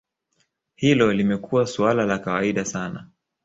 Hilo limekuwa suala la kawaida sana